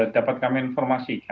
dapat kami informasikan